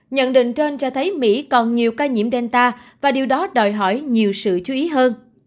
nhận định trên cho thấy mỹ còn nhiều ca nhiễm delta và điều đó đòi hỏi nhiều sự chú ý hơn